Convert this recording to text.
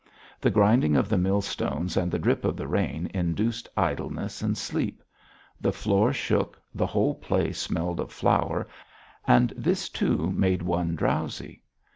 The grinding of the millstones and the drip of the rain induced idleness and sleep. The floor shook, the whole place smelled of flour, and this too made one drowsy.